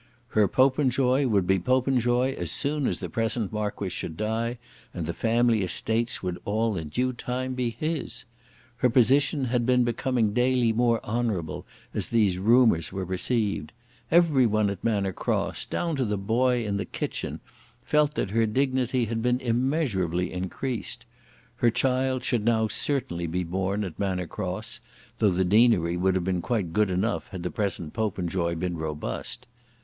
Her Popenjoy would be Popenjoy as soon as the present Marquis should die, and the family estates would all in due time be his! Her position had been becoming daily more honourable as these rumours were received. Everyone at Manor Cross, down to the boy in the kitchen, felt that her dignity had been immeasurably increased. Her child should now certainly be born at Manor Cross, though the deanery would have been quite good enough had the present Popenjoy been robust.